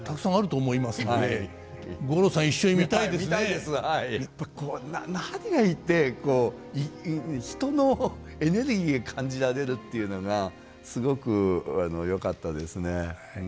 やっぱりこれ何がいいってこう人のエネルギーが感じられるっていうのがすごくよかったですね。